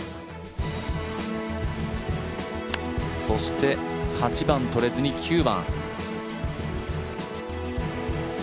そして、８番取れずに９番。